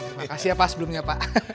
terima kasih ya pak sebelumnya pak